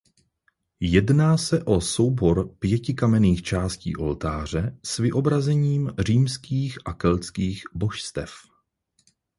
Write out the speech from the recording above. Jedná se o soubor pěti kamenných částí oltáře s vyobrazením římských a keltských božstev.